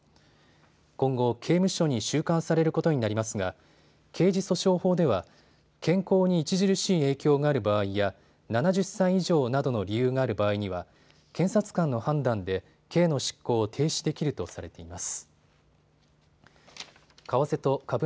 今後、刑務所に収監されることになりますが刑事訴訟法では健康に著しい影響がある場合や７０歳以上などの理由がある場合には検察官の判断で刑の執行を停止できるとされています。